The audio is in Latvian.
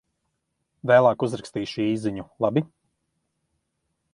Vēlāk uzrakstīšu īsziņu, labi?